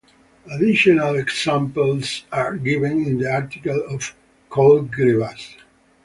Additional examples are given in the article on coalgebras.